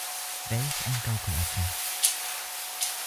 Welch ein Gaukelaffe.